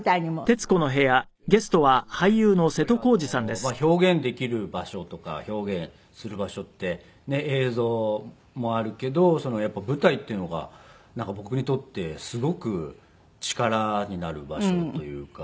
やっぱり表現できる場所とか表現する場所って映像もあるけどやっぱり舞台っていうのが僕にとってすごく力になる場所というか。